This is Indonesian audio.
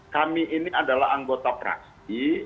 kami ini adalah anggota praksi